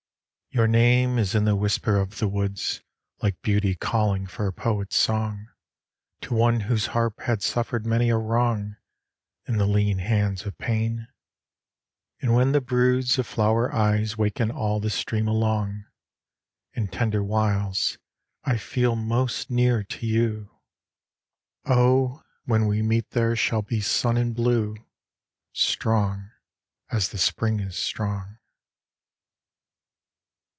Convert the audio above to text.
Your name is in the whisper of the woods Like Beauty calling for a poet's song To one whose harp had suffered many a wrong In the lean hands of Pain. And when the broods Of flower eyes waken all the streams along In tender whiles, I feel most near to you: — Oh, when we meet there shall be sun and blue Strong as the spring is strong.